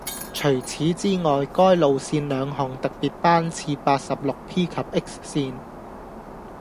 除此以外，該路線兩項特別班次八十六 P 及 X 線